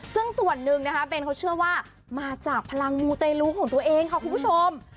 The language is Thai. ซึ่งส่วนหนึ่งนะคะเบนเขาเชื่อว่ามาจากพลังมูเตลูของตัวเองค่ะคุณผู้ชม